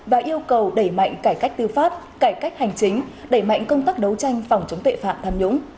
và yêu cầu đẩy mạnh cải cách tư pháp cải cách hành chính đẩy mạnh công tác đấu tranh phòng chống tội phạm tham nhũng